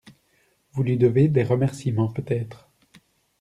Vous lui devez des remerciements, peut-être.